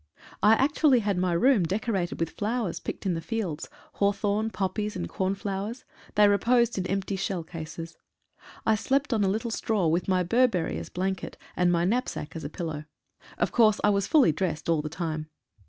I actually had my room decorated with flowers picked in the fields — hawthorn, poppies, and cornflowers. They reposed in empty shell cases. I slept on a little straw, with my Burberry as blanket, and my knapsack as a pillow. Of course I was fully dressed al' the time.